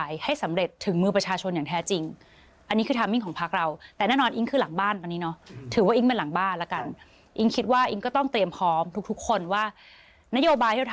อยากเลือกเราด้วย